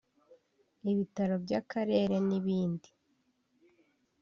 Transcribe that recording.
ibitaro by’akarere n’ibindi